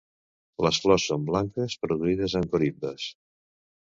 Les flors són blanques produïdes en corimbes.